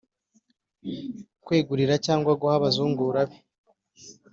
Kwegurira cyangwa guha abazungura be